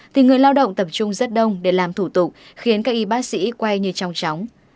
thì người lao động tập trung rất đông để làm thủ tục khiến các y bác sĩ quay như trong tróng